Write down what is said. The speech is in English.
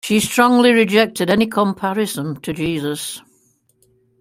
She strongly rejected any comparison to Jesus.